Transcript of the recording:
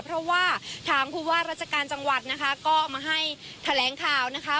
เพราะว่าทางผู้ว่าราชการจังหวัดนะคะก็มาให้แถลงข่าวนะคะ